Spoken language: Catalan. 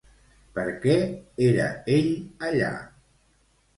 Per què era ell allà?